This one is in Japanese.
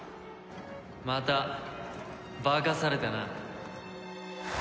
また化かされたな。